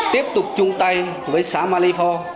tiếp tục chung tay với xã malifor